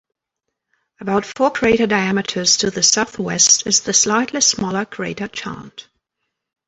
About four crater diameters to the southwest is the slightly smaller crater Chant.